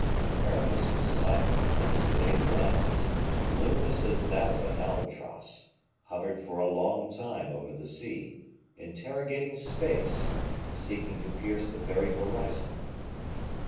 Aramis was silent; and his vague glances, luminous as that of an albatross, hovered for a long time over the sea, interrogating space, seeking to pierce the very horizon.